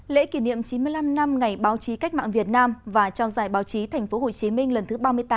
lễ kỷ niệm chín mươi năm năm ngày báo chí cách mạng việt nam và trao giải báo chí tp hcm lần thứ ba mươi tám